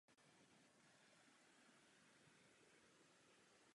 Zvláště velké a malé násobky se používají velmi zřídka.